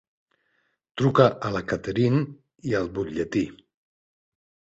Truca a la Katherine i al Butlletí!